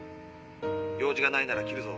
用事がないなら切るぞ。